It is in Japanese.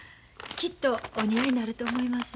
きっとお似合いになると思います。